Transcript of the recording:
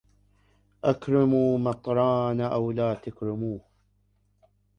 أكرموا مطران أو لا تكرموه